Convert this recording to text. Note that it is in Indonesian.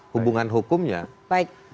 hubungan hukumnya baik